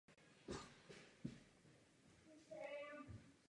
Samotná skutečnost, že byla tato zpráva zveřejněna, je velmi důležitá.